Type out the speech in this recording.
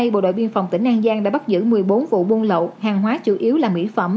bộ đội biên phòng tỉnh an giang đã bắt giữ một mươi bốn vụ buôn lậu hàng hóa chủ yếu là mỹ phẩm